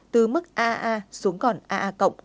từ mức aa xuống còn aa